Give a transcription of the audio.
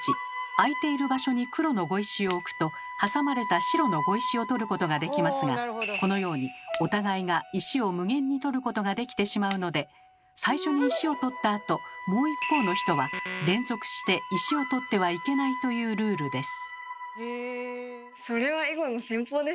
空いている場所に黒の碁石を置くと挟まれた白の碁石を取ることができますがこのようにお互いが石を無限に取ることができてしまうので最初に石を取ったあともう一方の人は連続して石を取ってはいけないというルールです。